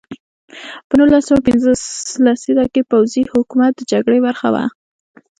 په نولس سوه پنځوس لسیزه کې پوځي حکومت د جګړې برخه وه.